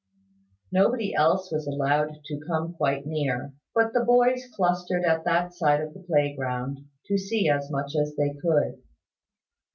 Nobody else was allowed to come quite near; but the boys clustered at that side of the playground, to see as much as they could.